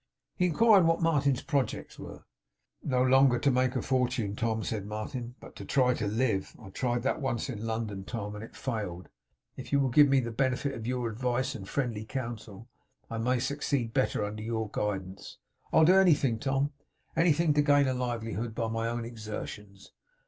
He inquired what Martin's projects were. 'No longer to make your fortune, Tom,' said Martin, 'but to try to live. I tried that once in London, Tom; and failed. If you will give me the benefit of your advice and friendly counsel, I may succeed better under your guidance. I will do anything Tom, anything, to gain a livelihood by my own exertions.